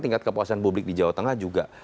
tingkat kepuasan publik di jawa tengah juga